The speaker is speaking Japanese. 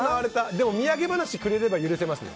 でも、土産話くれたら許せますね。